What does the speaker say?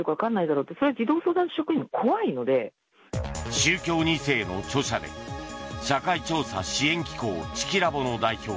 「宗教２世」の著者で社会調査支援機構チキラボの代表